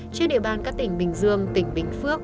trên địa bàn các tỉnh bình dương tỉnh bình phước